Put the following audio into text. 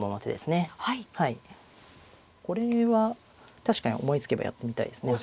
これは確かに思いつけばやってみたいですね